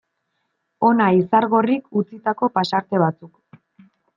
Hona Izargorrik utzitako pasarte batzuk.